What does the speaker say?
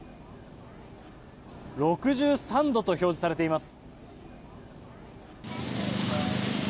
６３度と表示されています。